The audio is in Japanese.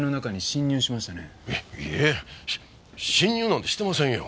し侵入なんてしてませんよ！